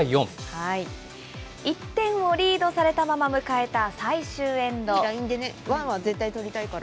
１点をリードされたまま迎えた最終エンド。